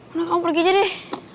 udah kamu pergi aja deh